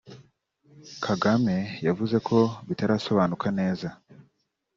Kagame yavuze ko bitarasobanuka neza